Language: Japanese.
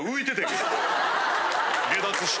解脱して。